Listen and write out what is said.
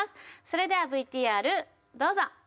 それではＶＴＲどうぞ！